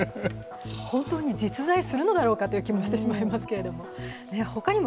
本当に実在するのだろうかという気もしてしまいますけれども。